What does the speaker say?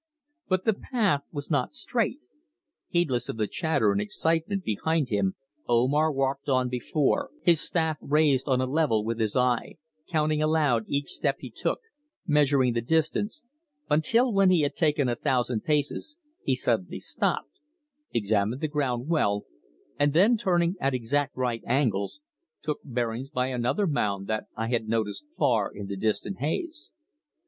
But the path was not straight. Heedless of the chatter and excitement behind him Omar walked on before, his staff raised on a level with his eye, counting aloud each step he took, measuring the distance, until when he had taken a thousand paces he suddenly stopped, examined the ground well, and then turning at exact right angles, took bearings by another mound that I had noticed far in the distant haze.